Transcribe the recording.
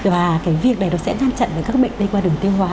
và cái việc này nó sẽ ngăn chặn với các bệnh lây qua đường tiêu hóa